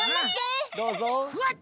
どうぞ。